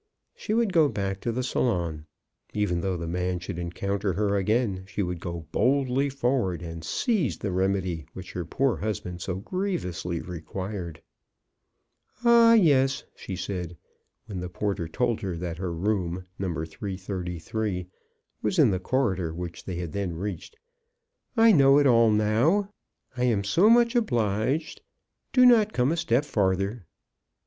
She would go back to the salon. Even though the man should encoun ter her again, she would go boldly forward and seize the remedy which her poor husband so grievously required. '' Ah, yes," she said, when the porter told her that her room. No. 333, was in the corridor which they had then reached, " I know it all MRS. brown's success. 1$ now. I am so much obliged. Do not come a step farther."